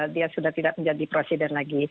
dia sudah tidak menjadi presiden lagi